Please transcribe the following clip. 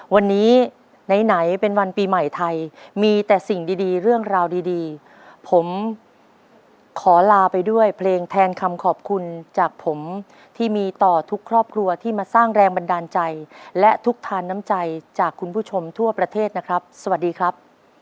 วันนี้ไหนเป็นวันปีใหม่ไทยมีแต่สิ่งดีเรื่องราวดีผมขอลาไปด้วยเพลงแทนคำขอบคุณจากผมที่มีต่อทุกครอบครัวที่มาสร้างแรงบันดาลใจและทุกทานน้ำใจจากคุณผู้ชมทั่วประเทศนะครับสวัสดีครับ